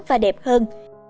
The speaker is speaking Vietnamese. và đẹp hơn